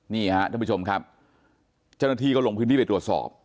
นี่ฮะท่านผู้ชมครับเจ้าหน้าที่ก็ลงพื้นที่ไปตรวจสอบ